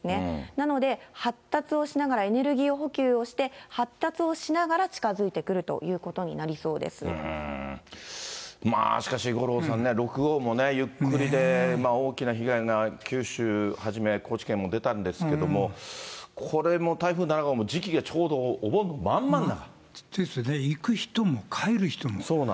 なので、発達をしながらエネルギー補給をして、発達をしながら近づいてくるということになりそうまあしかし、五郎さんね、６号もゆっくりで大きな被害が九州はじめ、高知県も出たんですけれども、これも台風７号も時期がちょうどお盆まん真ん中。